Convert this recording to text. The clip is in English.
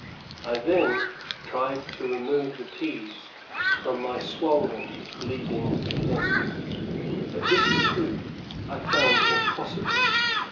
I then tried to remove the peas from my swollen, bleeding limbs, but this, too, I found impossible.